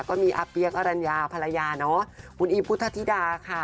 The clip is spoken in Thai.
ก็มีอเปียกอลัญญาภรรยาคุณอีบพุทธธิดาค่ะ